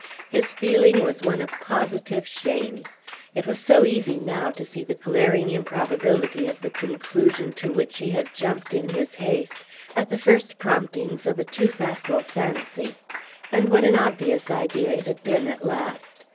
His feeling was one of positive shame. It was so easy now to see the glaring improbability of the conclusion to which he had jumped in his haste, at the first promptings of a too facile fancy. And what an obvious idea it had been at last!